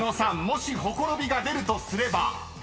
もしほころびが出るとすれば］